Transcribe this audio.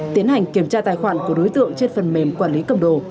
tiến hành kiểm tra tài khoản của đối tượng trên phần mềm quản lý cầm đồ